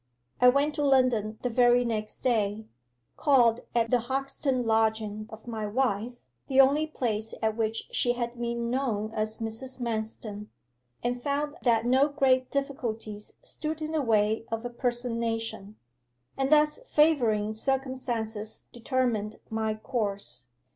I went to London the very next day, called at the Hoxton lodging of my wife (the only place at which she had been known as Mrs. Manston), and found that no great difficulties stood in the way of a personation. And thus favouring circumstances determined my course.